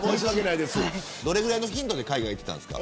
どれぐらいの頻度で海外行ってたんですか。